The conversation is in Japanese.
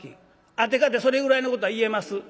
あてかてそれぐらいのことは言えます。